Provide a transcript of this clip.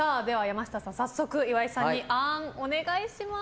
早速岩井さんにあーんをお願いします。